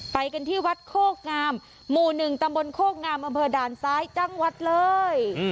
ไปกันที่วัดโคกงามหมู่๑ตำบลโคกงามอำเภอด่านซ้ายจังหวัดเลย